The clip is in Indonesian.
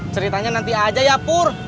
ceritanya nanti aja ya pur